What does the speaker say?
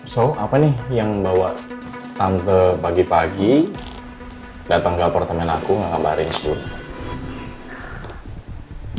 so apa nih yang bawa tante pagi pagi dateng ke apartemen aku ngakabarin sebelumnya